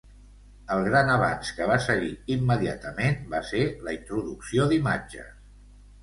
El gran avanç que va seguir immediatament va ser la introducció d'imatges.